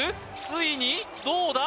ついにどうだ？